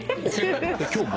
今日も？